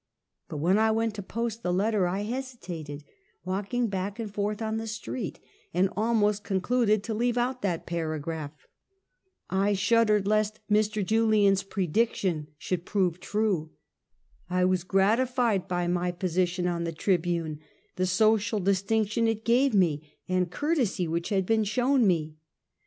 But when I went to post the letter, I hesitated, walked back and forth on the street, and almost con cluded to leave out that paragraph. I shuddered lest Mr. Julian's prediction should prove true. I was gratified by my position on the Tribune — the social distinction it gave me and courtesy which had been shown me.